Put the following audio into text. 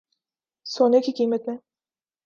سونے کی قیمت میں